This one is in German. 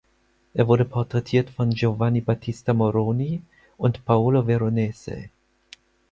Er wurde porträtiert von Giovanni Battista Moroni und Paolo Veronese.